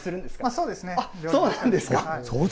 そうなんですか。